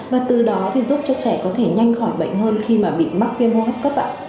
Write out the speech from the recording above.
và từ đó thì giúp cho trẻ có thể nhanh khỏi bệnh hơn khi mà bị mắc viêm hô hấp cấp ạ